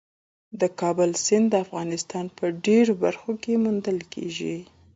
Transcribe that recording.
د کابل سیند د افغانستان په ډېرو برخو کې موندل کېږي.